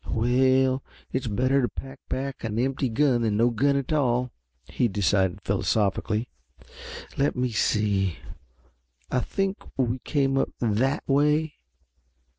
"Well, it's better to pack back an empty gun than no gun at all," he decided philosophically. "Let me see, I think we came up that way.